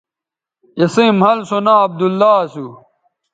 اِسئیں مَھل سو ناں عبداللہ اسو